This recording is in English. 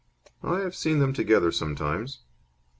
"I have seen them together sometimes."